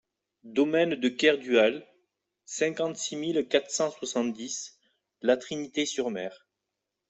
Domaine de Kerdual, cinquante-six mille quatre cent soixante-dix La Trinité-sur-Mer